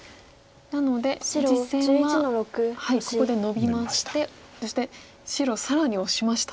なので実戦はここでノビましてそして白更にオシました。